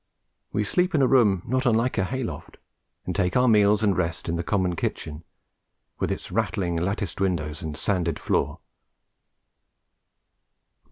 We sleep in a room not unlike a hay loft, and take our meals and rest in the common kitchen, with its rattling latticed windows and sanded floor.